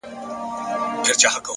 لوړ همت د محدودیتونو پروا نه کوي!